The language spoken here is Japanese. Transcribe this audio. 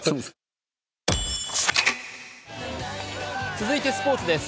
続いてスポーツです。